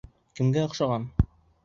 Кемгә оҡшаған?